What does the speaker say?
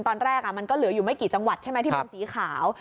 ตอนแรกมันก็เหลืออยู่ไม่กี่จังหวัดใช่ไหมที่เป็นสีขาว